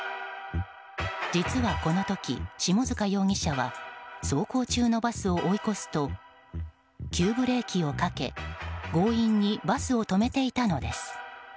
実はこの時、下塚容疑者は走行中のバスを追い越すと急ブレーキをかけ強引にバスを止めていたのです。